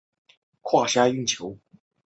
曾效力于贺芬咸。